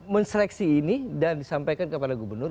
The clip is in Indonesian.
menseleksi ini dan disampaikan kepada gubernur